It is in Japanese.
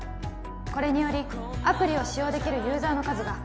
これによりアプリを使用できるユーザーの数が